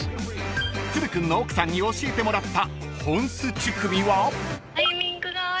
［都留君の奥さんに教えてもらった］